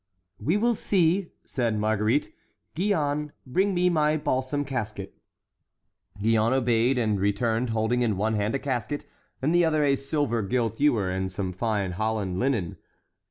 "We will see," said Marguerite. "Gillonne, bring me my balsam casket." Gillonne obeyed, and returned holding in one hand a casket, and in the other a silver gilt ewer and some fine Holland linen.